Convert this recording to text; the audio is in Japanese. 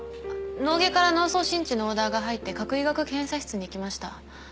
脳外から脳槽シンチのオーダーが入って核医学検査室に行きました。